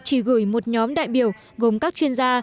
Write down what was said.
chỉ gửi một nhóm đại biểu gồm các chuyên gia